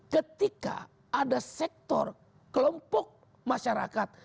ketika ada sektor kelompok masyarakat